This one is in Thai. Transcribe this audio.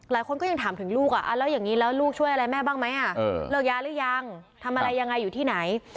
หลายคนก็ยังถามถึงลูกแล้วอย่างนี้แล้วลูกช่วยอะไรแม่บ้างไหมเลิกยาหรือยังทำอะไรยังไงอยู่ที่ไหน